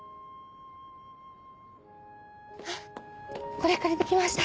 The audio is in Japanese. これ借りてきました。